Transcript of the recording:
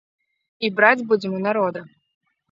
І браць будзем у народа.